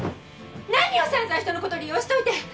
何よさんざん人のこと利用しといて！